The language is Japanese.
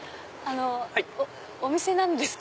お店なんですか？